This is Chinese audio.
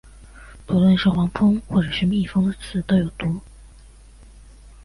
不论是黄蜂或是蜜蜂的刺都有毒。